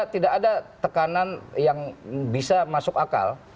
tidak ada tekanan yang bisa masuk akal